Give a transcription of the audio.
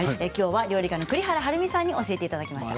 料理家の栗原はるみさんに教えていただきました。